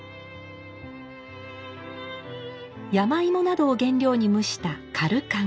山芋などを原料に蒸した「かるかん」。